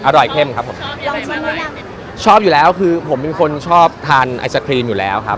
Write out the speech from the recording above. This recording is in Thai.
อร่อยเข้มครับผมชอบอยู่แล้วคือผมเป็นคนชอบทานไอศกรีมอยู่แล้วครับ